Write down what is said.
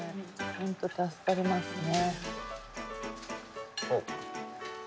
本当助かりますね。